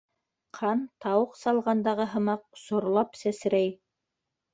Ҡан, тауыҡ салғандағы һымаҡ, сорлап сәсрәй.